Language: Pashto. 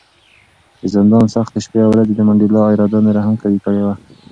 د زندان سختې شپې او ورځې د منډېلا اراده نوره هم قوي کړې وه.